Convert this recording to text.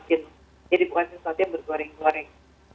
sesuatu yang bergoreng goreng